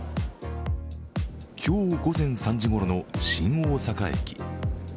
今日午前３時ごろの新大阪駅。